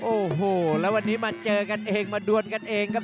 โอ้โหแล้ววันนี้มาเจอกันเองมาดวนกันเองครับ